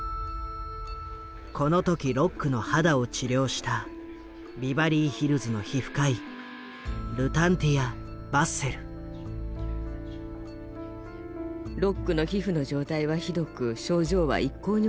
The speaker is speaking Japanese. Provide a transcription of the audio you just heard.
この時ロックの肌を治療したビバリーヒルズのロックの皮膚の状態はひどく症状は一向におさまりませんでした。